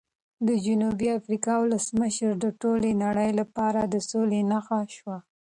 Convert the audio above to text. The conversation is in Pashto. د جنوبي افریقا ولسمشر د ټولې نړۍ لپاره د سولې نښه شو.